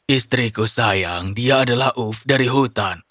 istriku sayang dia adalah uf dari hutan